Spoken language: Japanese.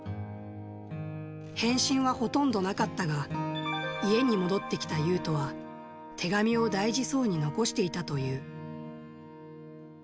返信はほとんどなかったが、家に戻ってきたユウトは、手紙を大事そうに残していたという。